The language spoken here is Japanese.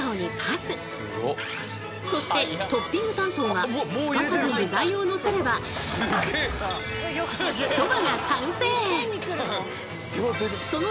そしてトッピング担当がすかさず具材をのせればうわ